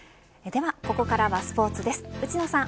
ではここからはスポーツです